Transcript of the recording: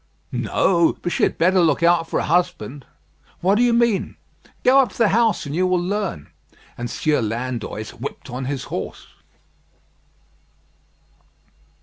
"No; but she had better look out for a husband." "What do you mean?" "Go up to the house, and you will learn." And Sieur Landoys whipped on his horse.